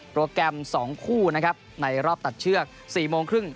โปรแกรมสองคู่นะครับในรอบตัดเชือกสี่โมงครึ่ง